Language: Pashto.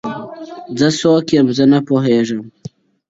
• د هجرت غوټه تړمه روانېږم.